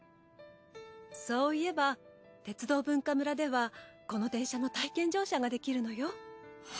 そういえば鉄道文化むらではこの電車の体験乗車ができるのよ。